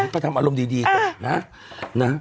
ก็ทำอารมณ์ดีก่อนนะ